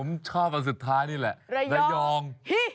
มิสเตอร์สตาร์ระยองระยอง